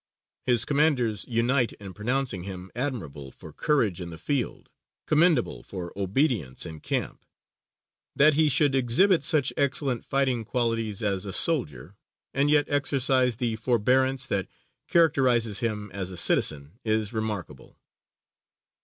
His commanders unite in pronouncing him admirable for courage in the field, commendable for obedience in camp. That he should exhibit such excellent fighting qualities as a soldier, and yet exercise the forbearance that characterizes him as a citizen, is remarkable.